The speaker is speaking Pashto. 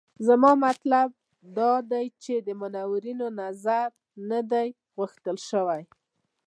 زما مطلب دا دی چې منورینو نظر نه دی غوښتل شوی.